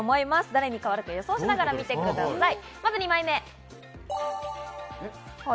誰に変わるか予想しながら見てください。